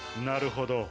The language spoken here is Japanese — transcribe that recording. なるほど。